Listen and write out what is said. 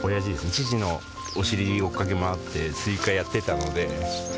父のお尻を追いかけ回ってスイカをやっていたので。